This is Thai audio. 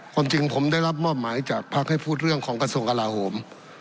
ความจริงผมได้รับมอบหมายจากพักให้พูดเรื่องของกระทรวงกลาโหม